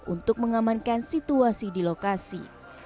untuk mengamankan situasi di lokasi